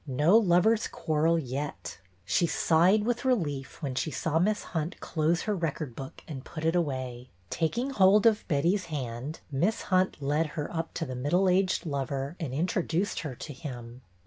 No lovers' quarrel yet! She sighed with relief when she saw Miss Hunt close her record book and put it away. MISS HUNT'S LOVER 201 Taking hold of Betty's hand, Miss Hunt led her up to the middle aged lover and introduced her to him.